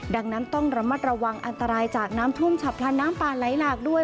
ดังนั้นต้องระมัดระวังอันตรายจากน้ำท่วมฉับพลันน้ำป่าไหลหลากด้วย